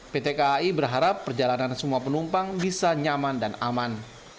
pt kai berharap perjalanan semua penumpang bisa nyaman dan aman